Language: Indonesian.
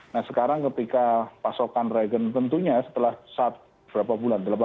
nah sekarang ketika pasokan regen tentunya setelah saat berapa bulan